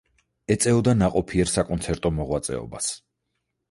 ეწეოდა ნაყოფიერ საკონცერტო მოღვაწეობას.